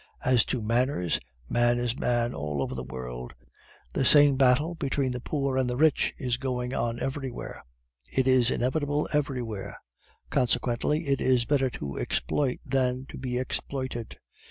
As to manners; man is man all the world over. The same battle between the poor and the rich is going on everywhere; it is inevitable everywhere; consequently, it is better to exploit than to be exploited.